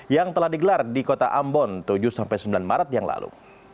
yang telah digelar di kota ambon tujuh sembilan maret yang lalu